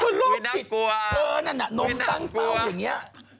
คือโรคจิตเธอนั่นน่ะนมตั้งเต้าอย่างนี้